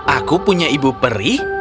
aku punya ibu peri